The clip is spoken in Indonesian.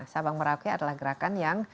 sabang merauke adalah gerakan yang